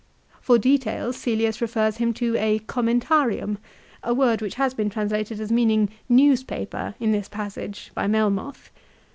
1 For details Caslius refers him to a " Commentarium," a word which has been translated as meaning " newspaper " in this passage, by Melmoth.